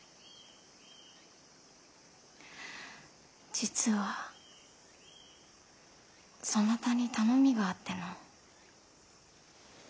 実はそなたに頼みがあっての。